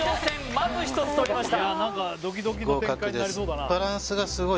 まず一つとりました